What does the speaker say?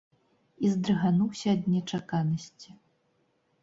І здрыгануўся ад нечаканасці.